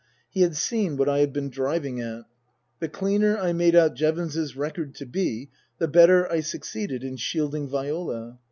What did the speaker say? He had seen what I had been driving at. The cleaner I made out Jevons's record to be, the better I succeeded in shielding Viola.